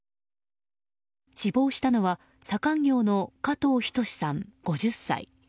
死亡したのは左官業の加藤仁志さん、５０歳。